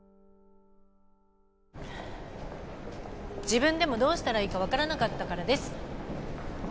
自分でもどうしたらいいか分からなかったからです。